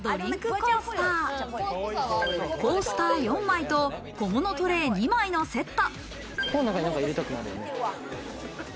コースター４枚と小物トレー２枚のセット。